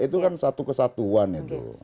itu kan satu kesatuan itu